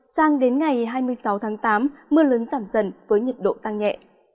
sang đến ngày hai mươi sáu tháng tám mưa lớn giảm dần với nhiệt độ tăng nhẹ